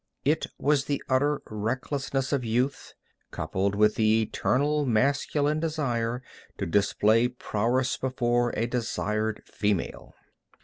It was the utter recklessness of youth, coupled with the eternal masculine desire to display prowess before a desired female.